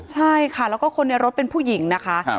ใช่ค่ะแล้วก็คนในรถเป็นผู้หญิงนะคะ